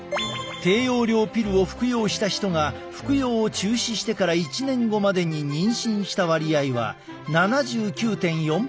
低用量ピルを服用した人が服用を中止してから１年後までに妊娠した割合は７９．４％だった。